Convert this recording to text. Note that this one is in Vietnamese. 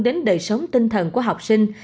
đến đời sống tinh thần của học sinh